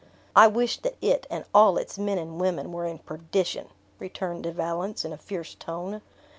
"I wish that it, and all its men and women, were in perdition!" returned De valence, in a fierce tone.